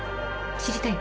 知りたい？